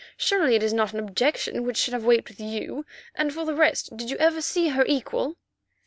Surely it is not an objection which should have weight with you. And for the rest, did you ever see her equal?"